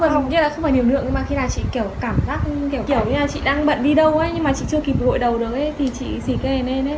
không phải liều lượng nhưng mà khi là chị kiểu cảm giác kiểu như là chị đang bận đi đâu ấy nhưng mà chị chưa kịp gội đầu được ấy thì chị xỉ kè lên ấy